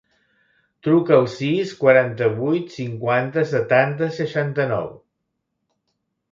Truca al sis, quaranta-vuit, cinquanta, setanta, seixanta-nou.